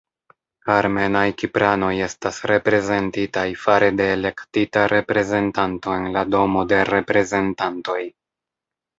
Armenaj-kipranoj estas reprezentitaj fare de elektita reprezentanto en la Domo de Reprezentantoj.